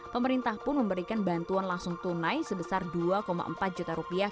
pemerintah pun memberikan bantuan langsung tunai sebesar dua empat juta rupiah